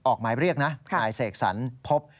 หมายเรียกนะนายเสกสรรพบ